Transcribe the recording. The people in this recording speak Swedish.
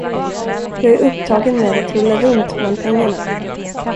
Jag är upptagen med att rulla runt bland pengarna.